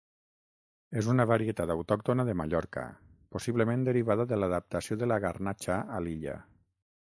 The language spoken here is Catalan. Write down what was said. És una varietat autòctona de Mallorca, possiblement derivada de l'adaptació de la garnatxa a l'illa.